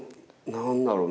何だろうな。